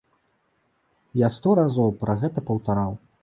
Я сто разоў пра гэта паўтараў.